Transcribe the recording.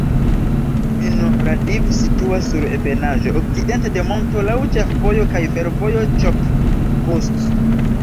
Vinohradiv situas sur ebenaĵo, okcidente de monto, laŭ ĉefvojo kaj fervojo Ĉop-Ĥust.